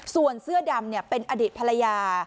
ส่วนเสื้อดำเป็นอดีตภรรยา